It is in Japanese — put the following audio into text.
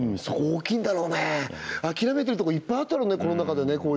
そこ大きいんだろうね諦めてるとこいっぱいあったろうねコロナ禍でね